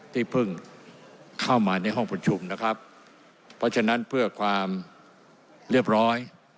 ที่เพิ่งเข้ามาในห้องประชุมนะครับเพราะฉะนั้นเพื่อความเรียบร้อย